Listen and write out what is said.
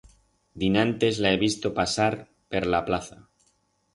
Dinantes la he visto pasar per la plaza.